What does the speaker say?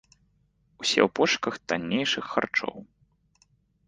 Усе ў пошуках таннейшых харчоў.